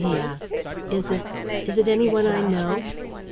he asked. "Is it is it any one I know?"